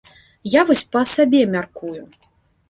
Я вось па сабе мяркую.